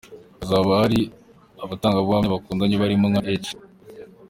Hazaba hari abatangangabuhamya batandukanye barimo nka H.